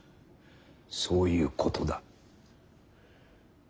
そういうことだ。